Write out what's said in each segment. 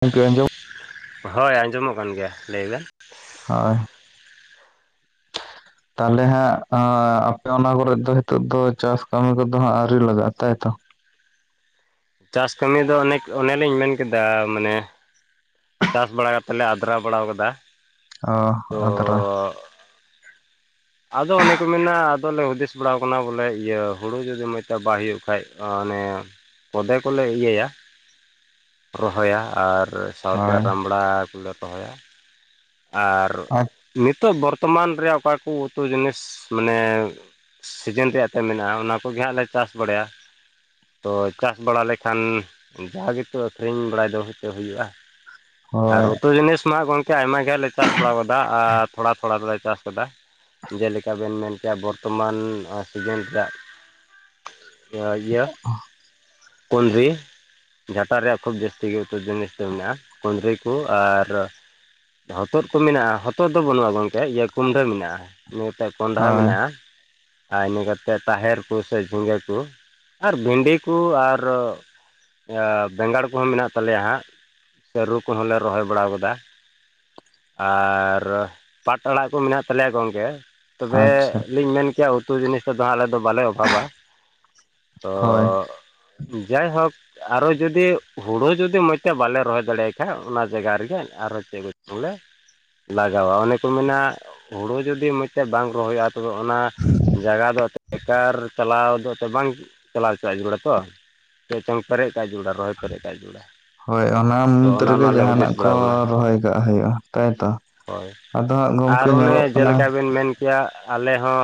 ᱜᱚᱝᱠᱮ ᱟᱸᱡᱚᱢ ᱦᱳᱭ ᱟᱸᱡᱚᱢᱚᱜ ᱠᱟᱱ ᱜᱮᱭᱟ ᱞᱟᱹᱭ ᱵᱮᱱ ᱦᱳᱭ ᱛᱟᱦᱞᱮ ᱦᱟᱸᱜ ᱟᱯᱮ ᱚᱱᱟ ᱠᱚᱨᱮᱫ ᱫᱚ ᱦᱤᱛᱚᱜ ᱫᱚ ᱪᱟᱥ ᱠᱟᱹᱢᱤ ᱠᱚᱫᱚ ᱦᱟᱜ ᱟᱹᱣᱨᱤ ᱞᱟᱜᱟᱟ ᱛᱟᱭᱛᱚ ᱪᱟᱥ ᱠᱟᱹᱢᱤ ᱫᱚ ᱚᱱᱮᱠ ᱚᱱᱮᱞᱤᱧ ᱢᱮᱱᱠᱟ ᱢᱟᱱᱮ ᱪᱟᱥ ᱵᱟᱲᱟ ᱠᱟᱛᱮ ᱞᱮ ᱟᱫᱽᱨᱟ ᱵᱟᱲᱟᱣ ᱠᱟᱫᱟ ᱚ ᱛᱚ ᱟᱫᱽᱨᱟ ᱟᱫᱚ ᱚᱱᱮ ᱠᱚ ᱢᱮᱱᱟ ᱟᱫᱚᱞᱮ ᱦᱩᱫᱤᱥ ᱵᱟᱲᱟᱣ ᱠᱟᱱᱟ ᱵᱚᱞᱮ ᱤᱭᱟᱹ ᱦᱩᱲᱩ ᱡᱩᱫᱤ ᱢᱚᱡᱽ ᱛᱮ ᱵᱟᱭ ᱦᱩᱭᱩᱜ ᱠᱷᱟᱡ ᱚᱱᱮ ᱠᱚᱫᱮ ᱠᱚᱞᱮ ᱤᱭᱟᱹᱭᱟ ᱨᱚᱦᱚᱭᱟ ᱟᱨ ᱥᱟᱶᱛᱮ ᱦᱳᱭ ᱨᱟᱸᱵᱽᱲᱟ ᱠᱚᱞᱮ ᱨᱦᱚᱭᱟ ᱟᱨ ᱱᱤᱛᱚᱜ ᱵᱚᱨᱛᱚᱢᱟᱱ ᱨᱮ ᱚᱠᱟ ᱠᱩ ᱩᱛᱩ ᱡᱤᱱᱤᱥ ᱢᱟᱱᱮᱻ ᱥᱤᱡᱤᱱ ᱨᱮᱭᱟᱜ ᱛᱮ ᱢᱮᱱᱟᱜᱼᱟ ᱚᱱᱟ ᱠᱚᱜᱮ ᱦᱟᱸᱜ ᱞᱮ ᱪᱟᱥ ᱵᱟᱰᱟᱭᱟ ᱛᱚ ᱪᱟᱥ ᱵᱟᱲᱟ ᱞᱮᱠᱷᱟᱱ ᱵᱷᱟᱜᱮᱛᱚ ᱟᱠᱷᱨᱤᱧ ᱵᱟᱲᱟᱭ ᱫᱚ ᱦᱚᱭᱛᱚ ᱦᱩᱭᱩᱜ-ᱟ ᱟᱨ ᱦᱳᱭ ᱩᱛᱩ ᱡᱤᱱᱤᱥ ᱢᱟ ᱜᱚᱢᱠᱮ ᱟᱭᱢᱟ ᱜᱮ ᱞᱮ ᱪᱟᱥ ᱵᱟᱲᱟ ᱠᱟᱫᱟ ᱟᱨ ᱛᱷᱚᱲᱟ ᱛᱷᱚᱲᱟ ᱫᱚᱞᱮ ᱪᱟᱥ ᱠᱟᱫᱟ ᱡᱮᱞᱮᱠᱟ ᱵᱮᱱ ᱢᱮᱱ ᱠᱮᱭᱟ ᱵᱚᱨᱛᱚᱢᱟᱱ ᱥᱤᱡᱤᱱ ᱨᱮᱭᱟᱜ ᱱᱚᱣᱟ ᱤᱭᱟᱹ ᱠᱩᱸᱫᱽᱨᱤ ᱡᱷᱟᱴᱟᱜ ᱨᱮᱭᱟᱜ ᱠᱷᱩᱵ ᱡᱟᱹᱥᱛᱤ ᱩᱛᱚᱨ ᱡᱤᱱᱤᱥ ᱫᱚ ᱢᱮᱱᱟᱜ-ᱟ ᱠᱩᱸᱫᱽᱨᱤ ᱠᱚ ᱟᱨ ᱦᱚᱛᱚᱫ ᱠᱚ ᱢᱮᱱᱟᱜᱼᱟ ᱦᱚᱛᱚᱫ ᱫᱚ ᱵᱟᱹᱱᱩᱜᱼᱟ ᱜᱚᱢᱠᱮ ᱤᱭᱟᱹ ᱠᱩᱢᱰᱟᱹ ᱢᱮᱱᱟᱜᱼᱟ ᱢᱤᱫᱤᱭᱟᱹᱴᱮᱡ ᱠᱚᱱᱸᱰᱷᱟ ᱦᱳᱭ ᱢᱮᱱᱟᱜ-ᱟ ᱟᱨ ᱤᱱᱟᱹ ᱠᱟᱛᱮᱫ ᱛᱟᱦᱮᱨ ᱠᱚ ᱥᱮ ᱡᱷᱤᱸᱜᱟᱹ ᱠᱚ ᱟᱨ ᱵᱷᱤᱱᱰᱤ ᱠᱚ ᱟᱨ ᱵᱮᱸᱜᱟᱲ ᱠᱚᱦᱚᱸ ᱢᱮᱱᱟᱜ ᱛᱟᱞᱮᱭᱟ ᱦᱟᱸᱜ ᱥᱟᱹᱨᱩ ᱠᱚᱦᱚᱸ ᱞᱮ ᱨᱚᱦᱚᱭ ᱵᱟᱲᱟ ᱟᱠᱟᱫᱟ ᱟᱨ ᱯᱟᱴ ᱟᱲᱟᱜ ᱠᱚ ᱢᱮᱱᱟᱜ ᱛᱟᱞᱮᱭᱟ ᱜᱚᱢᱠᱮ ᱛᱚᱵᱮ ᱟᱪᱪᱷᱟ ᱞᱤᱧ ᱢᱮᱱ ᱠᱮᱭᱟ ᱩᱛᱩ ᱡᱤᱱᱤᱥ ᱛᱮᱫᱚ ᱦᱟᱸᱜ ᱟᱞᱮ ᱫᱚ ᱵᱟᱞᱮ ᱚᱵᱷᱟᱵᱽᱼᱟ ᱛᱚ ᱦᱳᱭ ᱡᱟᱭᱦᱳᱠ ᱟᱨᱚ ᱡᱩᱫᱤ ᱦᱩᱲᱩ ᱡᱩᱫᱤ ᱢᱚᱸᱡᱽ ᱛᱮ ᱵᱟᱞᱮ ᱨᱚᱦᱚᱭ ᱫᱟᱲᱮᱭᱟᱜ ᱠᱷᱟᱡ ᱚᱱᱟ ᱡᱟᱭᱜᱟ ᱨᱮᱜᱮ ᱟᱨᱚ ᱪᱮᱫ ᱵᱩᱡ ᱵᱚᱞᱮ ᱞᱟᱜᱟᱣᱟ ᱚᱱᱮ ᱠᱚ ᱢᱮᱱᱟ ᱦᱩᱲᱩ ᱡᱩᱫᱤ ᱢᱚᱡᱽᱛᱮ ᱵᱟᱝ ᱨᱚᱦᱚᱭ-ᱟ ᱛᱚᱵᱮ ᱚᱱᱟ ᱡᱟᱭᱜᱟ ᱫᱚ ᱵᱮᱠᱟᱨ ᱪᱟᱞᱟᱣ ᱫᱚ ᱮᱱᱛᱚ ᱵᱟᱝ ᱪᱟᱞᱟᱣ [unintelligible] ᱛᱚ ᱪᱮᱫ ᱪᱚᱝ ᱯᱮᱨᱮᱡ ᱠᱟᱜ-ᱟ ᱡᱚᱜᱲᱟ ᱦᱚᱭ ᱚᱱᱟ ᱛᱚ ᱢᱩᱫᱽ ᱚᱱᱟ ᱨᱮᱜᱮ ᱚᱱᱟᱞᱮ ᱦᱩᱫᱤᱥ ᱡᱟᱦᱟᱱᱟᱜ ᱠᱚ ᱵᱟᱲᱟᱣ ᱠᱟᱱᱟ ᱨᱚᱦᱚᱭ ᱠᱟᱜ ᱦᱩᱭᱩᱜ-ᱟ ᱛᱟᱭᱛᱚ ᱾ ᱦᱳᱭ ᱟᱨ ᱚᱱᱮ ᱡᱮᱞᱮᱠᱟ ᱵᱮᱱ ᱢᱮᱱ ᱠᱮᱭᱟ ᱟᱞᱮ ᱦᱚᱸ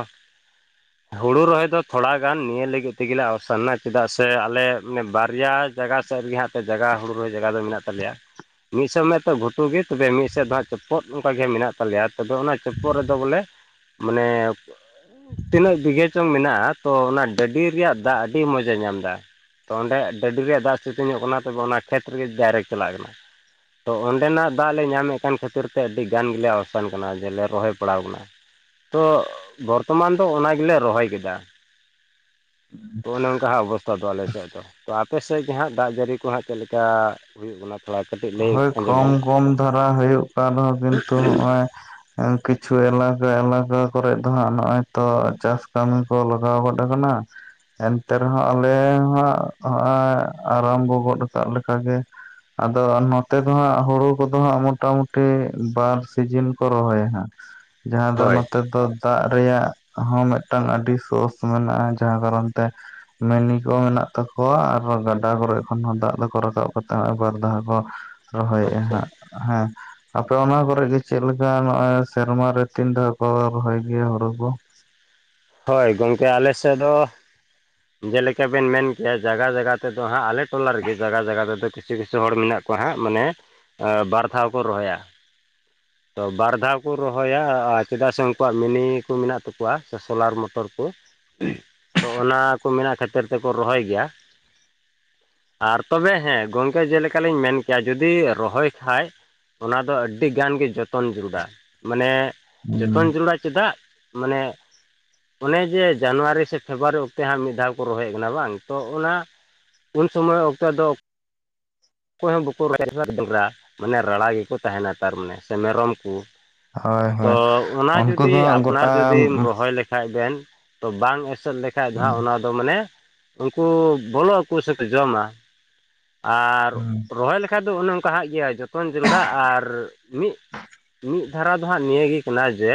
[inaudible] ᱦᱩᱲᱩ ᱨᱚᱦᱚᱭ ᱫᱚ ᱛᱷᱚᱲᱟ ᱜᱟᱱ ᱱᱤᱭᱟᱹ ᱞᱟᱹᱜᱤᱫ ᱛᱮᱜᱮ ᱞᱮ ᱟᱣᱥᱟᱱ ᱮᱱᱟ ᱪᱮᱫᱟᱜ ᱥᱮ ᱟᱞᱮᱮ ᱵᱟᱨᱭᱟ ᱡᱟᱭᱜᱟ ᱥᱮᱫ ᱨᱮᱜᱮ ᱦᱟᱸᱜ ᱡᱟᱭᱜᱟ ᱦᱩᱲᱩ ᱨᱚᱦᱚᱭ ᱡᱟᱭᱜᱟ ᱫᱚ ᱢᱮᱱᱟᱜ ᱛᱟᱞᱮᱭᱟ ᱢᱤᱫ ᱥᱚᱢᱚᱭ ᱛᱚ ᱜᱷᱩᱴᱩ ᱜᱮ ᱛᱚᱵᱮ ᱢᱤᱫ ᱥᱮᱫ ᱫᱚ ᱦᱟᱜ ᱪᱚᱯᱚᱫ ᱚᱱᱠᱟ ᱜᱮ ᱢᱮᱱᱟᱜ ᱛᱟᱞᱮᱭᱟ ᱛᱚᱵᱮ ᱚᱱᱟ ᱪᱚᱯᱚᱫ ᱨᱮᱫᱚ ᱵᱚᱞᱮ ᱢᱟᱱᱮ ᱛᱤᱱᱟᱹᱜ ᱵᱤᱜᱷᱟᱹ ᱪᱚᱝ ᱢᱮᱱᱟᱜ-ᱟ ᱛᱚ ᱚᱱᱟ ᱰᱟᱹᱰᱤ ᱨᱮᱭᱟᱜ ᱫᱟᱜ ᱟᱹᱰᱤ ᱢᱚᱡ ᱮ ᱧᱟᱢ ᱮᱫᱟ ᱾ ᱛᱚ ᱚᱸᱰᱮ ᱰᱟᱹᱰᱤ ᱨᱮᱭᱟᱜ ᱫᱟᱜ ᱥᱤᱛᱩᱝᱚᱜ ᱠᱟᱱᱟ ᱛᱚᱵᱮ ᱚᱱᱟ ᱠᱷᱮᱛ ᱨᱮᱜᱮ ᱰᱟᱭᱨᱮᱠᱴ ᱪᱟᱞᱟᱜ ᱠᱟᱱᱟ᱾ ᱛᱚ ᱚᱸᱰᱮᱱᱟᱜ ᱫᱟᱜ ᱞᱮ ᱧᱟᱢᱮᱫ ᱠᱟᱱ ᱠᱷᱟᱹᱛᱤᱨ ᱛᱮ ᱟᱹᱰᱤ ᱜᱟᱱ ᱜᱮᱞᱮ ᱟᱣᱥᱟᱱ ᱠᱟᱱᱟ ᱡᱮᱞᱮ ᱨᱚᱦᱚᱭ ᱯᱟᱲᱟᱣ ᱟᱠᱟᱱᱟ ᱾ ᱛᱚ ᱵᱚᱨᱛᱚᱢᱟᱱ ᱫᱚ ᱚᱱᱟ ᱜᱮᱞᱮ ᱨᱚᱦᱚᱭ ᱠᱮᱫᱟ ᱾ [inaudible] ᱛᱚ ᱚᱱᱮ ᱚᱱᱠᱟ ᱦᱟᱜ ᱚᱵᱚᱥᱛᱷᱟ ᱫᱚ ᱟᱞᱮ ᱥᱮᱫ ᱫᱚ ᱾ ᱛᱚ ᱟᱯᱮ ᱥᱮᱫ ᱜᱮ ᱦᱟᱸᱜ ᱫᱟᱜ ᱡᱟᱹᱲᱤ ᱠᱚ ᱦᱟᱸᱜ ᱪᱮᱫ ᱞᱮᱠᱟ ᱦᱩᱭᱩᱜ ᱠᱟᱱᱟ? ᱛᱷᱚᱲᱟ ᱠᱟᱹᱴᱤᱡ ᱞᱟᱹᱭ ᱟᱸᱡᱚᱢ ᱵᱮᱱ ᱫᱷᱚᱨᱟᱣ ᱦᱩᱭᱩᱜ ᱠᱟᱱ ᱨᱮᱦᱚᱸ ᱠᱤᱱᱛᱩ ᱱᱚᱜ-ᱚᱭ ᱠᱤᱪᱷᱩ ᱮᱞᱟᱠᱟ ᱮᱞᱟᱠᱟ ᱠᱚᱨᱮᱜ ᱫᱚᱦᱜ ᱱᱚᱜ-ᱚᱭ ᱛᱚ ᱪᱟᱥ ᱠᱟᱹᱢᱤ ᱠᱚ ᱞᱟᱜᱟᱣ ᱜᱚᱫ ᱟᱠᱟᱱᱟ ᱾ ᱮᱱᱛᱮ ᱨᱮᱦᱚᱸ ᱟᱞᱮ ᱦᱚᱜ-ᱚᱭ ᱟᱨᱟᱢ ᱵᱚ ᱜᱚᱫ ᱠᱟᱜ ᱞᱮᱠᱟᱜ ᱜᱮ ᱾ ᱟᱫᱚ ᱱᱚᱛᱮ ᱫᱚ ᱦᱟᱸᱜ ᱦᱩᱲᱩ ᱠᱚᱫᱚ ᱦᱟᱸᱜ ᱢᱚᱴᱟ-ᱢᱩᱴᱤ ᱵᱟᱨ ᱥᱤᱡᱤᱱ ᱠᱚ ᱨᱚᱦᱚᱭᱟ ᱦᱟᱸᱜ ᱾ ᱡᱟᱦᱟᱸ ᱫᱚ ᱦᱳᱭ ᱱᱚᱛᱮ ᱫᱚ ᱫᱟᱜ ᱨᱮᱭᱟᱜ ᱦᱚᱸ ᱢᱤᱫᱴᱟᱝ ᱟᱹᱰᱤ ᱥᱳᱨᱥ ᱢᱮᱱᱟᱜ-ᱟ ᱡᱟᱦᱟᱸ ᱠᱟᱨᱚᱱ ᱛᱮ ᱢᱤᱱᱤ ᱠᱚ ᱢᱮᱱᱟᱜ ᱛᱟᱠᱚᱣᱟ ᱟᱨ ᱜᱟᱰᱟ ᱠᱚᱨᱮ ᱠᱷᱚᱱ ᱫᱟᱜ ᱫᱚᱠᱚ ᱨᱟᱠᱟᱵ ᱠᱟᱛᱮ ᱵᱟᱨ ᱫᱷᱟᱣ ᱨᱚᱦᱚᱭᱮᱫ-ᱟ ᱟᱪᱪᱷᱟ ᱦᱟᱸᱜ ᱦᱮᱸ ᱟᱯᱮ ᱚᱱᱟ ᱠᱚᱨᱮᱜᱤ ᱪᱮᱫᱞᱮᱠᱟ ᱱᱚᱜᱚᱭ ᱥᱮᱨᱢᱟᱨᱮ ᱛᱤᱱ ᱫᱷᱟᱣ ᱠᱚ ᱨᱚᱦᱚᱭ ᱜᱮᱭᱟ ᱦᱩᱲᱩ ᱠᱚ? ᱦᱳᱭ ᱜᱚᱢᱠᱮ ᱟᱞᱮᱥᱮᱫ ᱫᱚ ᱡᱮᱞᱮᱠᱟ ᱵᱮᱱ ᱢᱮᱱ ᱠᱮᱭᱟ ᱡᱟᱜᱟ ᱡᱟᱜᱟ ᱛᱮᱫᱚ ᱦᱟᱸᱜ ᱟᱞᱮ ᱴᱚᱞᱟ ᱨᱮᱜᱮ ᱡᱟᱜᱟ ᱡᱟᱜᱟ ᱛᱮᱫᱚ ᱠᱤᱪᱷᱩ ᱠᱤᱪᱷᱩ ᱦᱚᱲ ᱢᱮᱱᱟᱜ ᱠᱚᱣᱟ [unintelligible] ᱦᱟᱸᱜ ᱢᱟᱱᱮ ᱵᱟᱨ ᱫᱷᱟᱣ ᱠᱚ ᱨᱚᱦᱚᱭᱟ᱾ ᱛᱚ ᱵᱟᱨ ᱫᱷᱟᱣ ᱠᱚ ᱨᱚᱦᱚᱭᱟ ᱟᱨ ᱪᱮᱫᱟᱜ ᱥᱮ ᱩᱱᱠᱩᱣᱟᱜ ᱢᱤᱱᱤ ᱠᱚ ᱢᱮᱱᱟᱜ ᱛᱟᱠᱚᱣᱟ᱾ ᱥᱳᱞᱟᱨ ᱢᱚᱴᱚᱨ ᱠᱚ ᱛᱚ ᱚᱱᱟ ᱠᱚ ᱢᱮᱱᱟᱜ ᱠᱷᱟᱹᱛᱤᱨ ᱛᱮᱠᱚ ᱨᱚᱦᱚᱭ ᱜᱮᱭᱟ᱾ ᱟᱨ ᱛᱚᱵᱮ ᱦᱮᱸ ᱜᱚᱢᱠᱮ ᱡᱮᱞᱮᱠᱟᱞᱤᱧ ᱢᱮᱱ ᱠᱮᱭᱟ ᱡᱩᱫᱤ ᱨᱚᱦᱚᱭ ᱠᱷᱟᱡ ᱚᱱᱟ ᱫᱚ ᱟᱹᱰᱤ ᱜᱟᱱ ᱜᱮ ᱡᱚᱛᱚᱱ ᱡᱟᱹᱨᱩᱲᱟ ᱢᱟᱱᱮ ᱡᱚᱛᱚᱱ ᱦᱩᱸ ᱡᱟᱲᱩᱲᱟ ᱪᱮᱫᱟᱜ ᱢᱟᱱᱮ ᱚᱱᱮ ᱡᱮ ᱡᱟᱱᱩᱣᱟᱨᱤ ᱥᱮ ᱯᱷᱮᱵᱽᱨᱩᱣᱟᱨᱤ ᱚᱠᱛᱮ ᱦᱟᱸᱜ ᱢᱤᱫ ᱫᱷᱟᱣ ᱠᱚ ᱨᱚᱦᱚᱭᱮᱫ ᱠᱟᱱᱟ ᱵᱟᱝ ᱛᱚ ᱚᱱᱟ ᱩᱱ ᱥᱚᱢᱚᱭ ᱚᱠᱛᱚ ᱫᱚ ᱚᱠᱚᱭ ᱦᱚᱸ ᱵᱟᱠᱚ [unintelligible] ᱢᱟᱱᱮ ᱨᱟᱲᱟ ᱜᱮᱠᱚ ᱛᱟᱦᱮᱱᱟ ᱛᱟᱨᱢᱟᱱᱮ ᱥᱮ ᱢᱮᱨᱚᱢ ᱠᱚ ᱾ ᱦᱳᱭ ᱛᱚ ᱦᱳᱭ ᱚᱱᱟ ᱩᱱᱠᱩ ᱡᱩᱫᱤ ᱫᱚ ᱟᱯᱱᱟᱨ ᱜᱚᱴᱟ ᱡᱩᱫᱤᱢ ᱦᱩᱸ ᱨᱚᱦᱚᱭ ᱞᱮᱠᱷᱟᱱ ᱠᱷᱟᱡ ᱵᱮᱱ ᱛᱚ ᱵᱟᱝ ᱮᱥᱮᱫ ᱞᱮᱠᱷᱟᱡ ᱫᱚ ᱚᱱᱟ ᱫᱚ ᱢᱟᱱᱮ ᱩᱱᱠᱩ ᱵᱚᱞᱚᱜ [unintelligible] ᱥᱮᱠᱚ ᱡᱚᱢᱟ ᱟᱨ ᱦᱩᱸ ᱨᱚᱦᱚᱭ ᱞᱮᱠᱷᱷᱟᱡ ᱫᱚ ᱚᱱᱮ ᱠᱟᱜ ᱜᱮᱭᱟ ᱡᱚᱛᱚᱱ ᱡᱟᱹᱨᱩᱲᱟ ᱟᱨ ᱢᱤᱫ ᱢᱤᱫ ᱫᱷᱟᱨᱟ ᱫᱚ ᱦᱟᱸᱜ ᱱᱤᱭᱟᱹᱟᱹ ᱜᱮ ᱠᱟᱱᱟ ᱡᱮ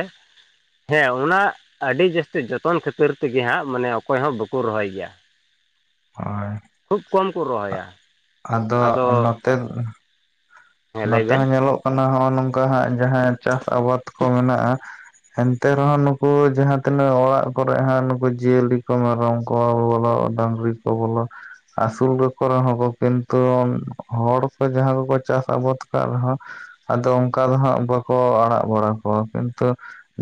ᱦᱮᱸ ᱚᱱᱟ ᱟᱹᱰᱤ ᱡᱟᱹᱥᱛᱤ ᱡᱚᱛᱚᱱ ᱠᱷᱟᱹᱛᱤᱨ ᱛᱮᱜᱮ ᱦᱟᱸᱜ ᱢᱟᱱᱮ ᱚᱠᱚᱭ ᱦᱚᱸ ᱵᱟᱠᱚ ᱨᱚᱦᱚᱭ ᱜᱮᱭᱟ ᱦᱳᱭ ᱠᱷᱩᱵᱽ ᱠᱚᱢ ᱠᱚ ᱨᱚᱦᱚᱭᱟ ᱟᱫᱚ ᱦᱮᱸ ᱞᱟᱹᱭ ᱱᱚᱛᱮ ᱦᱚᱸ ᱵᱮᱱ ᱧᱮᱞᱚᱜ ᱠᱟᱱᱟ ᱱᱚᱜᱼᱚᱭ ᱱᱚᱝᱠᱟ ᱦᱟᱸᱜ ᱡᱟᱦᱟᱸ ᱪᱟᱥ ᱟᱵᱟᱫᱽ ᱠᱚ ᱢᱮᱱᱟᱜᱼᱟ ᱮᱱᱛᱮ ᱨᱮᱦᱚᱸ ᱱᱩᱠᱩ ᱡᱟᱦᱟᱸ ᱛᱤᱱᱟᱹᱜ ᱚᱲᱟᱜ ᱠᱚᱨᱮ ᱦᱟᱸ ᱱᱩᱠᱩ ᱡᱤᱭᱟᱹᱞᱤ ᱠᱚ ᱢᱮᱨᱚᱢ ᱠᱚ ᱵᱚᱞᱚᱜ ᱰᱟᱝᱨᱤ ᱠᱚ ᱵᱚᱞᱚ ᱟᱹᱥᱩᱞ ᱜᱮ ᱠᱚ ᱨᱮᱦᱚᱸ ᱠᱚ ᱠᱤᱱᱛᱩ ᱦᱚᱲ ᱠᱚ ᱡᱟᱦᱟᱸ ᱠᱚᱠᱚ ᱪᱟᱥ [unintelligible] ᱠᱟᱫ ᱨᱮᱦᱚᱸ ᱟᱫᱚ ᱚᱱᱠᱟ ᱫᱚ ᱦᱟᱸᱜ ᱵᱟᱠᱚ ᱟᱲᱟᱜ ᱵᱟᱲᱟ ᱠᱚᱣᱟ ᱠᱤᱱᱛᱩ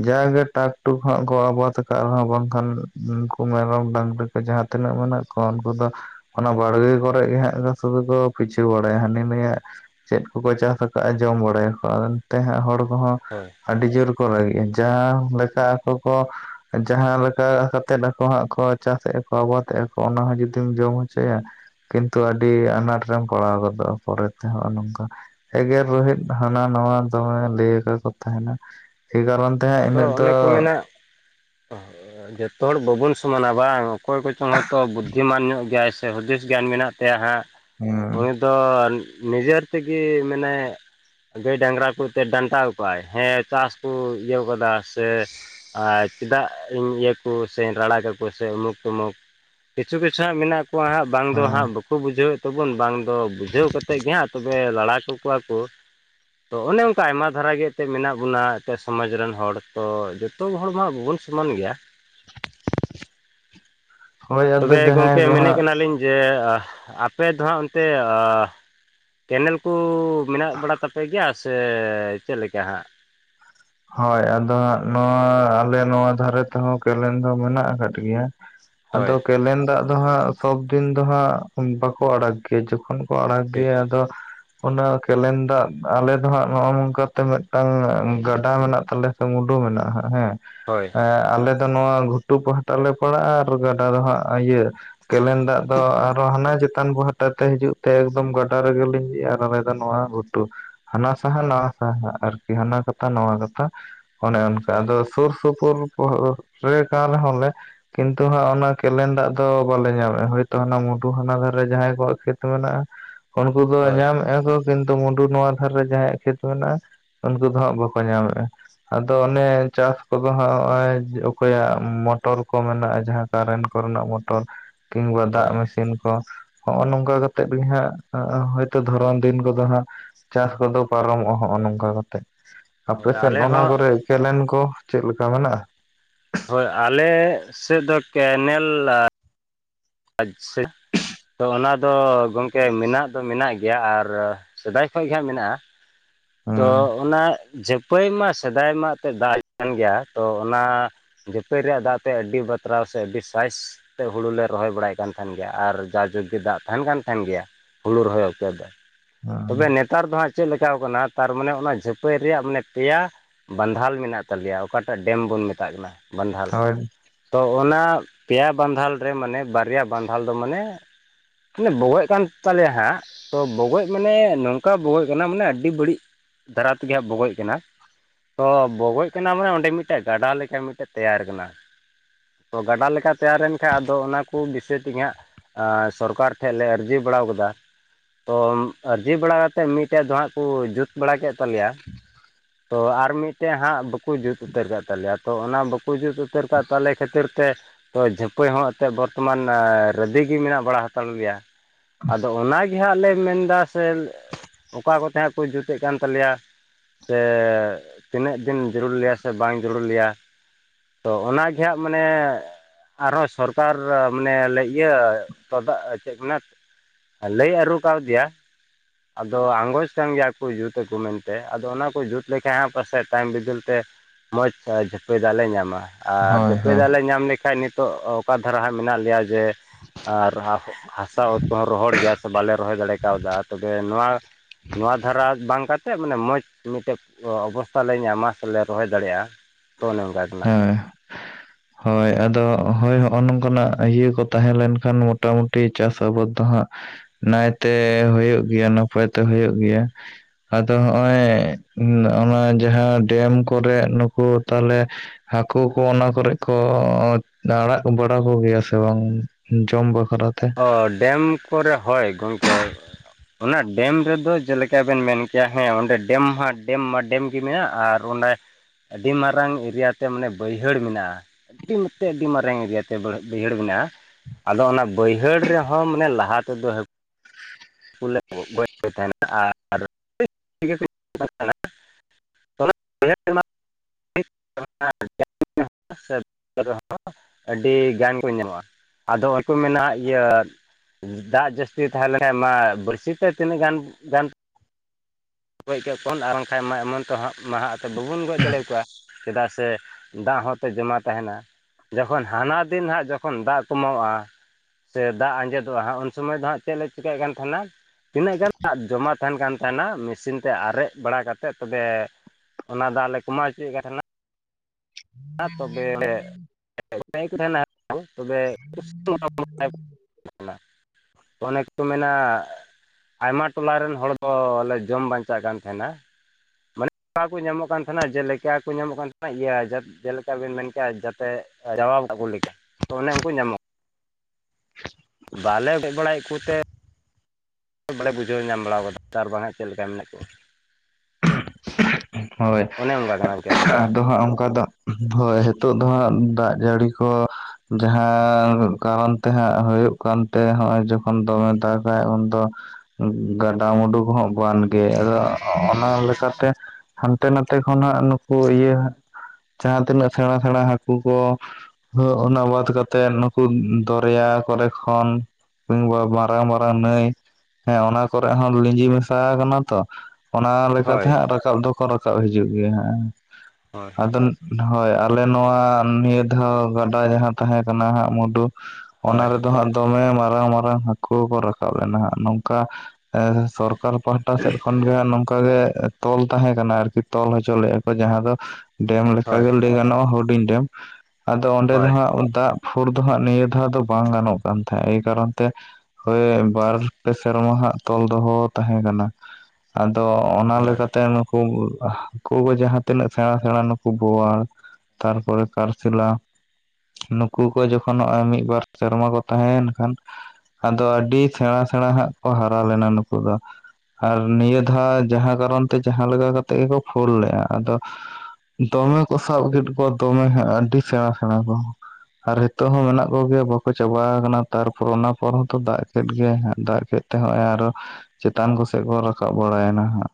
ᱡᱟ ᱜᱮ ᱴᱟᱠ-ᱴᱩᱠ ᱦᱚᱸᱜ ᱠᱚ ᱟᱵᱟᱫᱽ ᱟᱠᱟᱫ ᱨᱮᱦᱚᱸ ᱵᱟᱝᱠᱷᱟᱱ ᱩᱱᱠᱩ ᱢᱮᱨᱚᱢ ᱰᱟᱝᱨᱤ ᱡᱟᱦᱟᱸ ᱛᱤᱱᱟᱹᱜ ᱢᱮᱱᱟᱜ ᱠᱚᱣᱟ ᱩᱱᱠᱩ ᱫᱚ ᱚᱱᱟ ᱵᱟᱲᱜᱮ ᱠᱚᱨᱮ ᱜᱮ ᱦᱟᱸᱜ ᱥᱫᱩ ᱠᱚ ᱯᱤᱪᱷᱟᱹ ᱵᱟᱲᱟᱭᱟ ᱦᱟᱹᱱᱤ ᱱᱹᱭᱟᱜ ᱪᱮᱫ ᱠᱚᱠᱚ ᱪᱟᱥ ᱟᱠᱟᱫᱼᱟ ᱡᱚᱢ ᱵᱟᱲᱟᱭᱟ ᱠᱚ ᱮᱱᱛᱮ ᱦᱟᱸᱜ ᱦᱚᱲ ᱠᱚᱦᱚᱸ ᱦᱳᱭ ᱟᱹᱰᱤ ᱡᱳᱨ ᱠᱚ ᱨᱟᱹᱜᱤᱫᱼᱟ ᱡᱟᱦᱟᱸ ᱞᱮᱠᱟ ᱟᱠᱚ ᱠᱚ ᱡᱟᱦᱟᱸ ᱞᱮᱠᱟ ᱠᱟᱛᱮᱜ ᱟᱠᱚ ᱦᱜ ᱠᱚ ᱪᱟᱥᱮᱫ ᱠᱚ ᱟᱵᱟᱫ ᱮᱼᱟ ᱠᱚ ᱚᱱᱟ ᱦᱚᱸ ᱡᱩᱫᱤᱢ ᱡᱚᱢ ᱦᱚᱪᱚᱭᱟ, ᱠᱤᱱᱛᱩ ᱟᱹᱰᱤ ᱟᱱᱟᱴ ᱨᱮᱢ ᱯᱟᱲᱟᱣ ᱜᱚᱫᱚᱜᱼᱟ ᱯᱚᱨᱮ ᱛᱮ ᱱᱚᱜ ᱱᱚᱝᱠᱟ᱾ ᱮᱜᱮᱨ ᱨᱦᱮᱫ ᱦᱟᱱᱟ ᱱᱟᱣᱟ ᱫᱚᱢᱮ ᱞᱟᱹᱭ ᱠᱟ ᱠᱚ ᱛᱟᱦᱮᱱᱟ, ᱮ ᱠᱟᱨᱚᱱ ᱛᱮ ᱛᱟᱦᱮᱸ ᱤᱱᱟᱹᱜ ᱟᱫᱚ ᱫᱚ ᱡᱚᱛᱚᱦᱚᱲ ᱵᱟᱵᱚᱱ ᱥᱚᱢᱟᱱᱟ ᱵᱟᱝ ᱚᱠᱚᱭ ᱠᱚᱪᱚᱝ ᱦᱚᱭᱛᱚ ᱵᱩᱫᱽᱫᱷᱤᱢᱟᱱ ᱧᱚᱜ ᱜᱮᱭᱟᱭ ᱥᱮ ᱦᱩᱫᱤᱥ ᱜᱮᱭᱟᱱ ᱢᱮᱱᱟᱜ ᱛᱟ ᱛᱟᱭᱟ ᱦᱟᱸᱜ ᱩᱱᱤ ᱫᱚ ᱱᱤᱡᱮᱨ ᱛᱮᱜᱮ ᱢᱟᱱᱮ ᱜᱟᱹᱭ ᱰᱟᱝᱨᱟ ᱠᱚ ᱮ ᱰᱟᱱᱴᱟᱣ ᱠᱚᱣᱟᱭ ᱦᱮᱸ ᱪᱟᱥ ᱠᱚ ᱤᱭᱟᱹᱣ ᱟᱠᱟᱫᱟ ᱥᱮ ᱪᱮᱫᱟᱜ ᱤᱧ ᱤᱭᱟᱹ ᱠᱚ ᱥᱮᱧ ᱨᱟᱲᱟ ᱠᱟᱠᱚ ᱥᱮ ᱩᱢᱩᱠ ᱩᱢᱩᱠ, ᱠᱤᱪᱷᱩ ᱠᱤᱪᱷᱩ ᱦᱟᱸᱜ ᱢᱮᱱᱟᱜ ᱠᱚᱣᱟ ᱦᱟᱸᱜ ᱵᱟᱝ ᱫᱚ ᱦᱳᱭ ᱦᱟᱸᱜ ᱵᱟᱠᱚ ᱵᱩᱡᱷᱟᱹᱣᱮᱫ ᱛᱟᱵᱚᱱ ᱵᱟᱝ ᱫᱚ ᱵᱩᱡᱷᱟᱹᱣ ᱠᱟᱛᱮᱫ ᱜᱮ ᱦᱟᱸᱜ ᱛᱚᱵᱮ ᱞᱟᱲᱟ ᱠᱚᱠᱚᱣᱟ ᱠᱚ ᱛᱚ ᱚᱱᱮ ᱚᱱᱠᱟ ᱟᱭᱢᱟ ᱫᱷᱟᱨᱟᱜ ᱜᱮ ᱮᱱᱛᱜ ᱢᱮᱱᱟᱜ ᱵᱚᱱᱟ ᱮᱱᱛᱮᱫ ᱥᱚᱢᱟᱡᱽ ᱨᱮᱱ ᱦᱚᱲ ᱛᱚ ᱡᱚᱛᱚ ᱦᱚᱲ ᱢᱟᱜ ᱵᱟᱵᱚᱱ ᱥᱚᱢᱟᱱ ᱜᱮᱭᱟ᱾ ᱦᱳᱭ ᱟᱫᱚ ᱛᱚᱵᱮ ᱜᱚᱢᱠᱮ ᱡᱟᱦᱟᱸᱭ ᱠᱚ ᱢᱮᱱᱮᱫ ᱦᱟᱸᱜ ᱠᱟᱱᱟᱞᱤᱧ ᱡᱮ ᱟᱯᱮ ᱫᱚᱦᱟᱸᱜ ᱚᱱᱛᱮ ᱠᱮᱱᱮᱞ ᱠᱚ ᱢᱮᱱᱟᱜ ᱵᱟᱲᱟ ᱛᱟᱯᱮ ᱜᱮᱭᱟ ᱥᱮ ᱪᱮᱫᱠᱟ ᱦᱟᱸᱜ? ᱦᱳᱭ ᱟᱫᱚ ᱦᱟᱸᱜ ᱱᱚᱣᱟ ᱟᱞᱮ ᱱᱚᱣᱟ ᱫᱷᱟᱨᱮ ᱛᱮᱦᱚᱸ ᱠᱮᱱᱮᱞ ᱫᱚ ᱢᱮᱱᱟᱜ ᱟᱠᱟᱫ ᱜᱮᱭᱟ, ᱦᱳᱭ ᱟᱫᱚ ᱠᱮᱱᱮᱞ ᱫᱟᱜ ᱫᱚ ᱦᱟᱸᱜ ᱥᱚᱵᱫᱤᱱ ᱫᱚ ᱦᱟᱸᱜ ᱵᱟᱠᱚ ᱟᱲᱟᱜ ᱜᱮᱭᱟ ᱡᱚᱠᱷᱚᱱ ᱴᱷᱤᱠ ᱟᱲᱜᱮᱭᱟ ᱟᱫᱚ ᱚᱱᱟ ᱠᱮᱞᱮᱱ ᱫᱟᱜ ᱟᱞᱮ ᱫᱚ ᱦᱟᱸᱜ ᱱᱚᱜᱼᱚᱭ ᱱᱚᱝᱠᱟᱛᱮ ᱢᱤᱫᱴᱟᱝ ᱜᱟ ᱜᱟᱰᱟ ᱢᱮᱱᱟᱜ ᱛᱟᱞᱮᱭᱟ ᱥᱮ ᱢᱩᱰᱩ ᱢᱮᱱᱟᱜᱼᱟ ᱦᱮᱸ ᱦᱳᱭ ᱟᱞᱮ ᱫᱚ ᱱᱚᱣᱟ ᱜᱷᱩᱴᱩ ᱯᱟᱦᱟᱴᱟ ᱞᱮ ᱯᱟᱲᱟᱜᱼᱟ ᱟᱨ ᱜᱟᱰᱟ ᱫᱚ ᱦᱟᱸᱜ ᱤᱭᱟᱹ ᱠᱮᱱᱮᱱ ᱫᱟᱜ ᱫᱚ ᱟᱨᱚ ᱦᱟᱱᱟ ᱪᱮᱛᱟᱱ ᱵᱜᱟ ᱜᱴᱟ ᱛᱮ ᱦᱤᱡᱩᱜ ᱛᱮ ᱮᱠᱫᱚᱢ ᱜᱟᱰᱟ ᱨᱮᱜᱮᱞᱤᱧ ᱤᱫ ᱟᱨ ᱟᱞᱮ ᱫᱚ ᱱᱚᱣᱟ ᱜᱷᱩᱴᱩ ᱦᱟᱱᱟ ᱥᱟᱦᱟ ᱱᱟᱣᱟ ᱥᱟᱦᱟ ᱟᱨᱠᱤ ᱦᱟᱱᱟ ᱠᱟᱛᱟ ᱱᱚᱣᱟ ᱠᱟᱛᱟ ᱚᱱᱮ ᱚᱱᱠᱟ ᱟᱪᱪᱷᱟ ᱟᱫᱚ ᱥᱩᱨ ᱥᱩᱯᱩᱨ ᱨᱮ ᱠᱟᱱ ᱨᱮᱦᱚᱸ ᱞᱮ ᱠᱤᱱᱛᱩ ᱦᱟᱸᱜ ᱚᱱᱟ ᱠᱮᱞᱮᱱ ᱫᱟᱜ ᱫᱚ ᱵᱟᱞᱮ ᱧᱟᱢᱮᱫᱼᱟ ᱦᱳᱭᱛᱳ ᱦ ᱢᱩᱰᱩ ᱦᱟᱱᱟ ᱫᱷᱟᱨᱮ ᱡᱟᱦᱟᱸᱭ ᱠᱚᱣᱟᱜ ᱠᱷᱮᱛ ᱛᱢ ᱢᱮᱱᱟᱜ- ᱟ, ᱩᱱᱠᱩ ᱫᱚ ᱦᱳᱭ ᱧᱟᱢᱮᱫᱼᱟ ᱠᱚ ᱠᱤᱱᱛᱩ ᱢᱩᱰᱩ ᱱᱚᱣᱟ ᱫᱷᱟᱨ ᱨᱮ ᱡᱟᱦᱟᱸᱭᱟᱜ ᱠᱷᱮᱛ ᱢᱮᱱᱟᱜᱼᱟ ᱩᱱᱠᱩ ᱫᱚ ᱦᱟᱸᱜ ᱵᱟᱠᱚ ᱵᱟᱠᱚ ᱧᱟᱢᱮᱜ-ᱟ᱾ ᱟᱫᱚ ᱚᱱᱮ ᱪᱟᱥ ᱠᱚᱫᱚ ᱦᱟᱸᱜ ᱱᱚᱜ ᱚᱭ ᱚᱠᱚᱭᱟᱜ ᱢᱚᱴᱚᱨ ᱠᱚ ᱢᱮᱱᱟᱜᱼᱟ ᱡᱟᱦᱟᱸ ᱠᱟᱨᱮᱱᱴ ᱠᱚᱨᱮᱱᱟᱜ ᱢᱚᱴᱚᱨ ᱠᱤᱝᱵᱟ ᱦᱳᱭ ᱫᱟᱜ ᱢᱮᱥᱤᱱ ᱠᱚ ᱦᱚᱜᱼᱚᱭ ᱱᱚᱝᱠᱟ ᱠᱟᱛᱮᱜ ᱜᱮᱦᱟᱸᱜ ᱦᱚᱳᱭᱛᱳ ᱫᱷᱚᱨᱚᱱ ᱫᱤᱱ ᱠᱚᱫᱚ ᱦᱟᱸᱜ ᱪᱟᱥ ᱠᱚᱫᱚ ᱯᱟᱨᱚᱢᱚᱜ-ᱟ ᱦᱚᱸ-ᱱᱚᱝᱠᱟ ᱠᱟᱛᱮ᱾ ᱦᱳᱭ ᱟᱯᱮᱥᱮᱫ ᱟᱞᱮ ᱚᱱᱟ ᱦᱚᱸ ᱠᱚᱨᱮ ᱠᱮᱱᱮᱞ ᱠᱚ ᱪᱮᱫ ᱞᱮᱠᱟ ᱢᱮᱱᱟᱜᱼᱟ? ᱦᱳᱭ, ᱟᱞᱮ ᱥᱮᱫ ᱫᱚ ᱠᱮᱱᱮᱞ ᱟᱪᱪᱷᱟ ᱛᱚ ᱚᱱᱟᱫᱚ ᱜᱚᱢᱠᱮ ᱢᱮᱱᱟᱜ ᱫᱚ ᱢᱮᱱᱟᱜ ᱜᱮᱭᱟ ᱟᱨ ᱥᱮᱫᱟᱭ ᱠᱷᱚᱱ ᱜᱮ ᱦᱟᱸᱜ ᱢᱮᱱᱟᱜᱼᱟ ᱛᱚ ᱦᱩᱸ ᱚᱱᱟ ᱡᱟ ᱯᱟᱹᱭ ᱢᱟ ᱥᱮᱫᱟᱭ ᱢᱟ ᱮᱱᱛᱮᱫ ᱫᱟᱜ ᱠᱟᱱ ᱜᱮᱭᱟ ᱛᱚ ᱚᱱᱟ ᱡᱟᱹᱯᱟᱹᱭ ᱨᱮᱭᱟᱜ ᱫᱟᱜ ᱛᱮ ᱟᱹᱰᱤ ᱵᱟᱛᱨᱟᱣ ᱥᱮ ᱟᱹᱰᱤ ᱥᱟᱭᱤᱡ ᱛᱮ ᱦᱩᱲᱩ ᱞᱮ ᱨᱚᱦᱚᱭ ᱵᱟᱲᱟᱭᱮᱫ ᱠᱟᱱ ᱛᱟᱦᱮᱱ ᱜᱮᱭᱟ ᱟᱨ ᱡᱟ ᱡᱩᱜᱽ ᱜᱮ ᱫᱟᱜ ᱛᱟᱦᱮᱱ ᱠᱟᱱ ᱛᱟᱦᱮᱱ ᱜᱮᱭᱟ ᱦᱩᱲᱩ ᱨᱚᱦᱚᱭ ᱚᱠᱛᱮ ᱫᱚ ᱦᱩᱸ ᱛᱚᱵᱮ ᱱᱮᱛᱟᱨ ᱫᱚ ᱦᱟᱸᱜ ᱪᱮᱫᱠᱟ ᱠᱟᱱᱟ ᱛᱟᱨᱢᱟᱱᱮ ᱚᱱᱟ ᱡᱷᱟᱹᱯᱟᱹᱭ ᱨᱮᱭᱟᱜ ᱢᱟᱱᱮ ᱯᱮᱭᱟ ᱵᱟᱱᱫᱷᱟᱞ ᱢᱮᱱᱟᱜ ᱛᱟᱞᱮᱭᱟ ᱚᱠᱟᱴᱟᱜ ᱰᱮᱢ ᱵᱚᱱ ᱢᱮᱛᱟᱜ ᱠᱟᱱᱟ᱾ ᱵᱟᱱᱫᱷᱟᱞ ᱦᱳᱭ ᱛᱚ ᱚᱱᱟ ᱯᱮᱭᱟ ᱵᱟᱱᱫᱷᱟᱞ ᱨᱮ ᱢᱟᱱᱮ ᱵᱟᱨᱭᱟ ᱵᱟᱱᱫᱷᱟᱞ ᱫᱚ ᱢᱟᱱᱮᱮ ᱵᱚᱜᱚᱡ ᱠᱟᱱ ᱛᱟᱞᱮᱭᱟ ᱦᱟᱸᱜ ᱛᱚ ᱵᱚᱜᱚᱡ ᱢᱟᱱᱮ ᱱᱚᱝᱠᱟ ᱵᱚᱜᱚᱡ ᱠᱟᱱᱟ ᱢᱟᱱᱮ ᱟᱹᱰᱤ ᱵᱟᱹᱲᱤᱡ ᱫᱷᱟᱨᱟ ᱛᱮᱜᱮ ᱦᱟᱸᱜ ᱵᱚᱜᱚᱡ ᱠᱟᱱᱟ ᱛᱚ ᱵᱚᱜᱚᱡ ᱠᱟᱱᱟ ᱢᱟᱱᱮ ᱚᱸᱰᱮ ᱢᱤᱫᱴᱮᱱ ᱜᱟᱰᱟ ᱞᱮᱠᱟ ᱢᱤᱫᱴᱮᱱ ᱛᱮᱭᱟᱨ ᱠᱟᱱᱟ᱾ ᱛᱚ ᱜᱟᱰᱟ ᱞᱮᱠᱟ ᱛᱮᱭᱟᱨᱮᱱ ᱠᱷᱟᱱ ᱟᱫᱚ ᱚᱱᱟ ᱠᱚ ᱵᱤᱥᱚᱭ ᱛᱮᱧ ᱦᱟᱸᱜ ᱥᱚᱨᱠᱟᱨ ᱴᱷᱮᱱ ᱞᱮ ᱟᱹᱨᱡᱤ ᱵᱟᱲᱟ ᱟᱠᱟᱫᱟ ᱛᱚ ᱟᱹᱨᱡᱤ ᱵᱟᱲᱟᱛᱮᱫ ᱢᱤᱫᱴᱮᱡ ᱫᱚ ᱦᱟᱸᱜ ᱠᱚ ᱡᱩᱛ ᱵᱟᱲᱟ ᱠᱮᱫ ᱛᱟᱞᱮᱭᱟ ᱛᱚ ᱟᱨ ᱢᱤᱫᱴᱮᱱ ᱦᱟᱸᱜ ᱵᱟᱠᱚ ᱡᱩᱛ ᱩᱛᱟᱹᱨ ᱠᱟᱜ ᱛᱟᱞᱮᱭᱟ ᱛᱚ ᱚᱱᱟ ᱵᱟ ᱵᱟᱠᱚ ᱡᱩᱛ ᱩᱛᱟᱹᱨ ᱠᱟᱜ ᱛᱟᱦᱚᱞᱮ ᱠᱷᱟᱹᱛᱤᱨ ᱛᱮ ᱛᱚ ᱡᱷᱟᱹᱯᱟᱹᱭ ᱦᱚᱸ ᱮᱱᱮᱫ ᱵᱚᱨ ᱚᱢᱟᱱ ᱨᱮᱫᱤ ᱜᱮ ᱢᱮᱱᱟᱜ ᱵᱟᱲᱟ ᱦᱟᱛᱟᱲ ᱞᱮᱭᱟ ᱟᱫᱚ ᱚᱱᱟᱜᱮ ᱦᱟᱸᱜ ᱞᱮ ᱢᱮᱱ ᱪ [unintelligible] ᱥᱮ ᱚᱠᱟ ᱠᱚᱛᱮ ᱦᱟᱸᱜ ᱠᱚ ᱡᱩᱛ ᱪᱤᱠᱟᱜ ᱠᱟᱱ ᱛᱟᱞᱮᱭᱟ ᱥᱮ ᱛᱤᱱᱟᱹᱜ ᱫᱤᱱ ᱡᱟᱹᱨᱩᱲ ᱞᱮᱭᱟ ᱥᱮ ᱵᱟᱝ ᱡᱟᱹᱨᱩᱲ ᱞᱮᱭᱟ ᱛᱚ ᱚᱱᱟᱜᱮ ᱦᱟᱸᱜ ᱢᱟᱱᱮ ᱟᱨᱦᱚᱸ ᱥᱚᱨᱠᱟᱨ ᱢᱟᱱᱮ ᱤᱭᱟᱹ ᱛᱚᱫᱟᱜ ᱪᱮᱫ ᱢᱮ ᱞᱟᱹᱭ ᱟᱹᱨᱩ ᱠᱟᱣᱫᱮᱭᱟ ᱟᱫᱚ ᱟᱸᱜᱚᱪ ᱠᱟᱱ ᱜᱮᱭᱟ ᱠᱚ ᱡᱩᱛ ᱟᱠᱚ ᱢᱮᱱᱛᱮ ᱟᱫᱚ ᱚᱱᱟ ᱠᱚ ᱡᱩᱛ ᱞᱮᱠᱷᱟᱱᱡ ᱯᱟᱥᱮᱡ ᱛᱟᱭᱚᱢ ᱵᱤᱫᱟᱹᱞ ᱛᱮ ᱢᱚᱸᱡᱽ ᱡᱷᱟᱹᱯᱟᱹᱭ ᱫᱟᱜ ᱞᱮ ᱧᱟᱢᱟ ᱟᱨ ᱦᱳᱭ ᱡᱷᱟᱹᱯᱮᱹᱭ ᱦᱳᱭ ᱫᱟᱜ ᱞᱮ ᱧᱟᱢ ᱞᱮᱠᱷᱟᱡ ᱱᱤᱛᱚᱜ ᱚᱠᱟ ᱫᱷᱟᱨᱟ ᱦᱟᱸᱜ ᱢᱮᱱᱟᱜ ᱞᱮᱭᱟ ᱡᱮ ᱟᱨ ᱦᱟᱥᱟ ᱚᱛ ᱠᱚᱦᱚᱸ ᱨᱚᱦᱚᱲ ᱜᱮᱭᱟ ᱥᱮ ᱵᱟᱞᱮ ᱨᱚᱦᱚᱭ ᱫᱟᱲᱮ ᱠᱟᱣᱫᱟ ᱛᱚᱵᱮ ᱱᱚᱣᱟ ᱱᱚᱣᱟ ᱫᱷᱟᱨᱟ ᱵᱟᱝ ᱠᱟᱛᱮ ᱢᱟᱱᱮ ᱢᱚᱡᱽ ᱢᱤᱫᱴᱮᱡ ᱚᱵᱚᱥᱛᱷᱟ ᱞᱮ ᱧᱟᱢᱟ ᱥᱮᱞᱮ ᱨᱚᱦᱚᱭ ᱫᱟᱲᱮᱭᱟᱜᱼᱟ ᱛᱚ ᱱᱚᱝᱠᱟᱜᱮ ᱦᱮᱸ ᱦᱚᱭ ᱟᱫᱚ ᱦᱚᱭ ᱱᱚᱜᱼᱚᱭ ᱱᱚᱝᱠᱟᱱᱟᱜ ᱤᱭᱟᱹ ᱠᱚ ᱛᱟᱦᱮᱸ ᱞᱮᱱᱠᱷᱟᱱ ᱢᱚᱴᱟᱢᱩᱴᱤ ᱪᱟᱥ ᱟᱵᱟᱫᱽ ᱫᱚ ᱦᱟᱸᱜ ᱱᱟᱭᱛᱮ ᱦᱩᱭᱩᱜ ᱜᱮᱭᱟ ᱱᱟᱯᱟᱭ ᱛᱮ ᱦᱩᱭᱩᱜ ᱜᱮᱭᱟ ᱟᱫᱚ ᱱᱚᱜᱼᱚᱭ ᱚᱱᱟ ᱡᱟᱦᱟᱸ ᱰᱮᱢ ᱠᱚᱨᱮ ᱱᱩᱠᱩ ᱛᱟᱦᱚᱞᱮ ᱦᱟᱹᱠᱩ ᱠᱚ ᱚᱱᱟ ᱠᱚᱨᱮ ᱠᱚ ᱟᱲᱟᱜ ᱵᱟᱲᱟ ᱠᱚᱜᱮᱭᱟ ᱥᱮ ᱵᱟᱝ ᱡᱚᱢ ᱵᱟᱠᱷᱨᱟ ᱛᱮ? ᱚ ᱰᱮᱢ ᱠᱚᱨᱮ ᱦᱚᱭ ᱜᱚᱢᱠᱮ ᱚᱱᱟ ᱰᱮᱢ ᱨᱮᱫᱚ ᱪᱮᱫ ᱞᱮᱠᱟ ᱵᱮᱱ ᱢᱮᱱ ᱠᱮᱭᱟ ᱦᱮᱸ ᱚᱸᱰᱮ ᱰᱮᱢ ᱢᱟ ᱰᱮᱢ ᱢᱟ ᱰᱮᱢ ᱜᱮ ᱢᱮᱱᱟᱜᱼᱟ ᱟᱨ ᱚᱸᱰᱮ ᱟᱹᱰᱤ ᱢᱟᱨᱟᱝ ᱮᱨᱤᱭᱟ ᱛᱮ ᱢᱟᱱᱮ ᱵᱟᱹᱭᱦᱟᱹᱲ ᱢᱮᱱᱟᱜᱼᱟ ᱟᱹᱰᱤ ᱢᱚᱛᱮ ᱟᱹᱰᱤ ᱢᱟᱨᱟᱝ ᱮᱨᱤᱭᱟ ᱛᱮ ᱵᱟᱹᱭᱦᱟᱹᱲ ᱢᱮᱱᱟᱜᱼᱟ ᱟᱫᱚ ᱚᱱᱟ ᱵᱟᱹᱭᱦᱟᱹᱲ ᱨᱮᱦᱚᱸ ᱢᱟᱱᱮ ᱞᱟᱦᱟ ᱛᱮᱫᱚ ᱠᱚᱮ ᱜᱚᱡ ᱛᱟᱦᱮᱱᱟ ᱟᱨ [unintelligible] [unintelligible] [unintelligible] ᱨᱮᱦᱚᱸ ᱟᱹᱰᱤ ᱜᱟᱱ ᱠᱚ ᱧᱟᱢᱚᱜᱼᱟ ᱟᱫᱚ ᱩᱱᱠᱩ ᱢᱮᱱᱟᱼᱟᱡ ᱤᱭᱟᱹ ᱫᱟᱜ ᱡᱟᱹᱥᱛᱤ ᱛᱟᱦᱮᱸ ᱛᱟᱦᱟᱞᱮ ᱢᱟ ᱵᱟᱹᱬᱥᱤ ᱛᱮ ᱛᱤᱱᱟᱹᱜ ᱜᱟᱱ ᱜᱟᱱ ᱜᱚᱡ ᱠᱮᱫ ᱠᱚᱣᱟ ᱟᱨ ᱵᱟᱝᱠᱷᱟᱱ ᱢᱟ ᱮᱢᱚᱱ ᱛᱚ ᱦᱟᱸᱜ ᱢᱟᱜ ᱛᱚ ᱵᱟᱵᱚᱱ ᱜᱚᱡ ᱫᱟᱲᱮᱭᱟ ᱠᱚᱣᱟ ᱪᱮᱫᱟᱜ ᱥᱮ ᱫᱟᱜ ᱦᱚᱸᱛᱚ ᱡᱚᱢᱟ ᱛᱟᱦᱮᱱᱟ ᱡᱚᱠᱷᱚᱱ ᱦᱟᱱᱟ ᱫᱤᱱ ᱦᱟᱸᱜ ᱡᱚᱠᱷᱚᱱ ᱫᱟᱜ ᱠᱚ ᱮᱢᱟᱣᱚᱜᱼᱟ ᱥᱮ ᱫᱟᱜ ᱟᱸᱡᱮᱫᱚᱜᱼᱟ ᱦᱟᱸᱜ ᱩᱱ ᱥᱚᱢᱚᱭ ᱫᱚ ᱦᱟᱸᱜ ᱪᱮᱫ ᱞᱮ ᱪᱤᱠᱟᱹᱭᱮᱫ ᱠᱟᱱ ᱛᱟᱦᱮᱱᱟ ᱛᱤᱱᱟᱹᱜ ᱜᱟᱱ ᱫᱟᱜ ᱡᱚᱢᱟ ᱛᱟᱦᱮᱱ ᱠᱟᱱ ᱛᱟᱦᱮᱱᱟ ᱢᱮᱥᱤᱱ ᱛᱮ ᱟᱨᱮᱡ ᱵᱟᱲᱟ ᱠᱟᱛᱮᱫ ᱛᱚᱵᱮ ᱚᱱᱟ ᱫᱟᱜ ᱞᱮ ᱠᱚᱢᱟᱣ ᱪᱚᱭᱮᱫ ᱠᱟᱱ ᱛᱟᱦᱮᱱᱟ [unintelligible] ᱛᱚᱵᱮ ᱛᱟᱦᱮᱱᱟ ᱛᱚᱵᱮ ᱚᱱᱮᱠ ᱠᱚ ᱢᱮᱱᱟ ᱟᱭᱢᱟ ᱴᱚᱞᱟ ᱨᱮᱱ ᱦᱚᱲ ᱫᱚᱞᱮ ᱡᱚᱢ ᱵᱟᱧᱪᱟᱜ ᱠᱟᱱ ᱛᱟᱦᱮᱱᱟ᱾ ᱢᱟᱱᱮ ᱠᱚ ᱧᱟᱢᱚᱜ ᱠᱟᱱ ᱛᱟᱦᱮᱱᱟ᱾ ᱡᱮᱞᱮᱠᱟ ᱠᱚ ᱧᱟᱢᱚᱜ ᱠᱟᱱ ᱛᱟᱦᱮᱱᱟ ᱤᱭᱟᱹ ᱡ ᱡᱮᱞᱮᱠᱟ ᱵᱮᱱ ᱢᱮᱱ ᱠᱮᱭᱟ᱾ ᱡᱟᱛᱮ ᱡᱟᱣᱟ ᱟᱹᱜᱩ ᱞᱮᱠᱟ ᱛᱚ ᱚᱱᱮ ᱩᱱᱠᱩ ᱧᱟᱢᱚᱜᱼᱟ᱾ ᱵᱟᱞᱮ [unintelligible] ᱵᱟᱲᱟᱭᱮᱫ ᱠᱚᱛᱮ ᱵᱟᱲᱮ ᱵᱩᱡᱷᱟᱹᱣ ᱧᱟᱢ ᱵᱟᱲᱟ ᱠᱟᱫᱟ᱾ᱟᱨ ᱟᱨ ᱵᱟᱝ ᱪᱮᱫ ᱞᱮᱠᱟ ᱢᱮᱱᱟᱜ ᱠᱚᱣᱟ [unintelligible] ᱦᱳᱭ ᱚᱱᱮ ᱚᱱᱠᱟ ᱠᱟᱱᱟ ᱜᱚᱢᱠᱮ ᱟᱞᱮ ᱥᱮᱫ ᱫᱚ ᱾ᱟᱫᱚ ᱦᱟᱸᱜ ᱚᱱᱠᱟ ᱫᱚ ᱦᱚᱭ᱾ᱱᱤᱛᱚᱜ ᱫᱚ ᱦᱟᱸᱜ ᱫᱟᱜ ᱡᱟᱹᱲᱤ ᱠᱚ ᱡᱟᱦᱟᱸ ᱠᱟᱨᱚᱱ ᱛᱮ ᱦᱟᱸᱜ ᱦᱩᱭᱩᱜ ᱠᱟᱱᱛᱮ ᱱᱚᱜᱼᱚᱭ ᱡᱚᱠᱷᱚᱱ ᱫᱚᱢᱮ ᱫᱟᱜᱟᱭ ᱩᱱᱫᱚ ᱜᱟᱰᱟ ᱢᱩᱰᱩ ᱠᱚ ᱦᱚᱸ ᱵᱟᱝ ᱜᱮ᱾ ᱟᱫᱚ ᱚᱱᱟ ᱞᱮᱠᱟᱛᱮ ᱦᱟᱱᱛᱮ ᱱᱟᱛᱮ ᱠᱷᱚᱱᱟᱜ ᱱᱩᱠᱩ ᱤᱭᱟᱹ ᱡᱟᱦᱟᱸ ᱛᱤᱱᱟᱹᱜ ᱥᱮᱲᱟ ᱥᱮᱲᱟ ᱦᱟᱹᱠᱩ ᱠᱚ ᱦᱳ, ᱚᱱᱟ ᱵᱟᱫ ᱠᱟᱛᱮᱜ ᱱᱩᱠᱩ ᱫᱚᱨᱭᱟ ᱠᱚᱨᱮ ᱠᱷᱚᱱ ᱠᱤᱝᱵᱟ ᱢᱟᱨᱟᱝ ᱢᱟᱨᱟᱝ ᱱᱟᱹᱭ ᱦᱮᱸ ᱚᱱᱟ ᱠᱚᱨᱮ ᱦᱚᱸ ᱞᱤᱸᱡᱤ ᱢᱮᱥᱟ ᱠᱟᱱᱟ ᱛᱚ᱾ ᱚᱱᱟ ᱞᱮᱠᱟᱛᱮ ᱦᱳᱭ ᱦᱟᱸᱜ ᱨᱟᱠᱟᱵ ᱫᱚᱠᱚ ᱨᱟᱠᱟᱵ ᱦᱤᱡᱩᱜ ᱜᱮᱭᱟ ᱦᱟᱸᱜ ᱦᱮ ᱦᱳᱭ ᱟᱫᱚ ᱦᱳᱭ ᱟᱞᱮ ᱱᱚᱣᱟ ᱱᱤᱭᱟᱹ ᱫᱷᱟᱣ ᱜᱟᱰᱟ ᱡᱟᱦᱟᱸ ᱛᱟᱦᱮᱸ ᱠᱟᱱᱟ ᱦᱟᱸᱜ ᱢᱩᱰᱩ ᱚᱱᱟ ᱦᱳᱭ ᱨᱮᱫᱚ ᱦᱟᱸᱜ ᱫᱚᱢᱮ ᱢᱟᱨᱟᱝ ᱢᱟᱨᱟᱝ ᱦᱟᱹᱠᱩ ᱠᱚ ᱨᱟᱠᱟᱵ ᱞᱮᱱᱟ ᱦᱟᱸᱜ ᱱᱚᱝᱠᱟ ᱥᱚᱨᱠᱟᱨ ᱯᱟᱦᱴᱟ ᱥᱮᱫ ᱠᱷᱚᱱ ᱜᱮ ᱱᱚᱝᱠᱟ ᱜᱮ ᱛᱚᱞ ᱛᱟᱦᱮᱸ ᱠᱟᱱᱟ ᱟᱨᱠᱤ ᱛᱚᱞ ᱦᱚᱪᱚ ᱞᱮᱫᱼᱟ ᱠᱚ ᱡᱟᱦᱟᱸ ᱫᱚ ᱰᱮᱢ ᱞᱮᱠ ᱦᱳᱭ ᱜᱮ ᱞᱟᱹᱭ ᱜᱟᱱᱚᱜᱼᱟ ᱦᱩᱰᱤᱧ ᱰᱮᱢ ᱟᱫᱚ ᱚᱸᱰᱮ ᱫᱚ ᱦᱳᱭ ᱦᱟᱸᱜ ᱫᱟᱜᱽ ᱯᱷᱩᱲ ᱫᱚ ᱦᱟᱸᱜ ᱱᱤᱭᱟᱹ ᱫᱷᱟᱣ ᱫᱚ ᱵᱟᱝ ᱜᱟᱱᱚᱜ ᱠᱟᱱ ᱛᱟᱦᱮ ᱮᱭ ᱠᱟᱨᱚᱱ ᱛᱮ ᱦᱳᱭ ᱵᱟᱨ ᱯᱮ ᱥᱮᱨᱢᱟ ᱦᱟᱸᱜ ᱛᱚᱞ ᱫᱚᱦᱚ ᱛᱟᱦᱮᱸ ᱠᱟᱱᱟ᱾ ᱟᱫᱚ ᱚᱱᱟ ᱦᱳᱭ ᱞᱮᱠᱟᱛᱮ ᱱᱩᱠᱩ ᱦᱟᱹᱠᱩ ᱡᱟᱦᱟᱸᱛᱤᱱᱟᱹᱜ ᱥᱮᱬᱟ ᱥᱮᱬᱟ ᱱᱩᱠᱩ ᱵᱳᱭᱟᱲ ᱛᱟᱨᱯᱚᱨᱮ ᱠᱟᱨᱥᱤᱞᱟ ᱱᱩᱠᱩ ᱠᱚ ᱡᱚᱠᱷᱚᱱ ᱱᱚᱜᱼᱚᱭ ᱢᱤᱫᱵᱟᱨ ᱥᱮᱨᱢᱟ ᱠᱚ ᱛᱟᱦᱮᱸᱭᱮᱱ ᱠᱷᱟᱱ ᱟᱫᱚ ᱟᱹᱰᱤ ᱥᱮᱬᱟ ᱥᱮᱬᱟ ᱦᱟᱸᱜ ᱠᱚ ᱦᱟᱨᱟ ᱞᱮᱱᱟ ᱱᱩᱠᱩ ᱫᱚ᱾ ᱟᱨ ᱱᱤᱭᱟᱹ ᱫᱷᱟᱣ ᱡᱟᱦᱟᱸ ᱠᱟᱨᱚᱱ ᱛᱮ ᱡᱟᱦᱟᱸ ᱞᱮᱠᱟ ᱠᱟᱛᱮᱜ ᱜᱮᱠᱚ ᱯᱷᱩᱞ ᱞᱮᱫᱼᱟ ᱟᱫᱚ ᱫᱚᱢᱮ ᱠᱚ ᱥᱟᱵ ᱠᱮᱫ ᱠᱚᱣᱟ ᱫᱚᱢᱮ ᱦᱟᱸᱜ ᱟᱹᱰᱤ ᱥᱮᱬᱟ ᱥᱮᱬᱟ ᱠᱚ ᱟᱨ ᱱᱤᱛᱚᱜ ᱦᱚᱸ ᱢᱮᱱᱟᱜ ᱠᱚᱜᱮᱭᱟ ᱵᱟᱠᱚ ᱪᱟᱵᱟ ᱟᱠᱟᱱᱟ ᱛᱟᱨᱯᱚᱨ ᱚᱱᱟ ᱯᱚᱨ ᱦᱚᱸᱛᱚ ᱫᱟᱜᱽ ᱠᱮᱫ ᱜᱮ ᱫᱟᱜᱽ ᱠᱮᱫ ᱛᱮ ᱦᱚᱸᱜᱼᱚᱭ ᱟᱨᱚ ᱪᱮᱛᱟᱱ ᱠᱚ ᱥᱮᱫ ᱠᱚ ᱨᱟᱠᱟᱵ ᱵᱟᱲᱟᱭᱮᱱᱟ ᱦᱟᱸᱜ